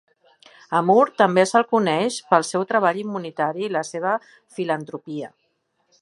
A Moore també se'l coneix pel seu treball humanitari i la seva filantropia.